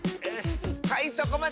はいそこまで！